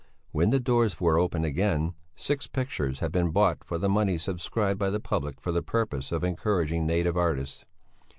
When the doors were opened again, six pictures had been bought for the money subscribed by the public for the purpose of encouraging native artists.